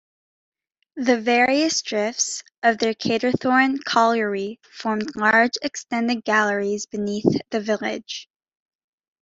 The various drifts of their Carterthorne Colliery formed large extended galleries beneath the village.